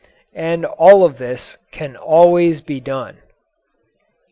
And all of this can always be done.